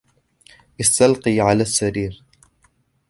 استلقى على السرير.